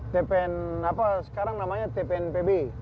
tpn apa sekarang namanya tpnpb